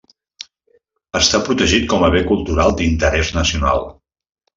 Està protegit com a bé cultural d'interès nacional.